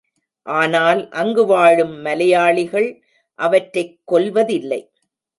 ஆனால் அங்கு வாழும் மலையாளிகள் அவற்றைக் கொல்வதில்லை.